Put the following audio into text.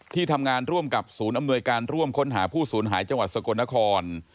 ที่ทำงานร่วมกับศูนย์อำนวยการร่วมค้นหาผู้สูญหายจังหวัดสกลนคร